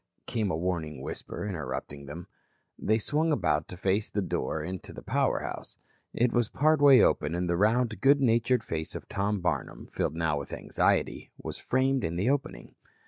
Ssst," came a warning whisper, interrupting them. They swung about to face the door into the power house. It was part way open and the round good natured face of Tom Barnum, filled now with anxiety, was framed in the opening.